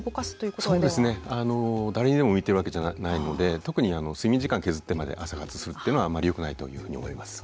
あの誰にでも向いてるわけじゃないので特に睡眠時間削ってまで朝活するってのはあまりよくないというふうに思います。